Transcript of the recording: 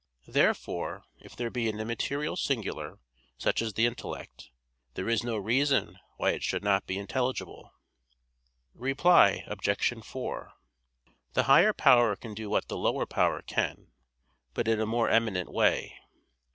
Therefore if there be an immaterial singular such as the intellect, there is no reason why it should not be intelligible. Reply Obj. 4: The higher power can do what the lower power can, but in a more eminent way.